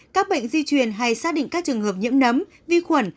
các bệnh di truyền hay xác định các trường hợp nhiễm nấm vi khuẩn